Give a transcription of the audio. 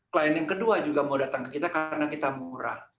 klien yang kedua juga mau datang ke kita karena kita murah